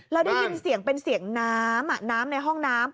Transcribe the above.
แล้วได้ยินเสียงเป็นเสียงน้ำน้ำในห้องน้ำ